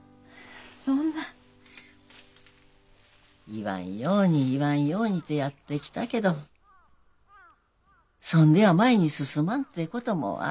言わんように言わんようにてやってきたけどそんでは前に進まんてこともあるんやな。